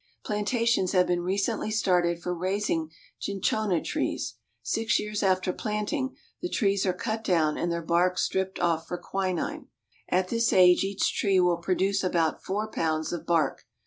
Plantations have been recently started for raising cin chona trees. Six years after planting, the trees are cut down and their bark stripped off for quinine. At this age each tree will produce about four pounds of bark.